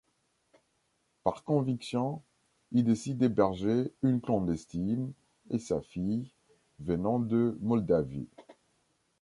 Par conviction, il décide d'héberger une clandestine et sa fille, venant de Moldavie.